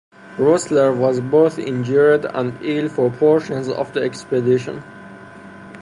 Roessler was both injured and ill for portions of the expedition.